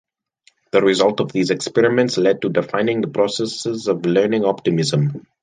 The result of these experiments led to defining the processes of learning optimism.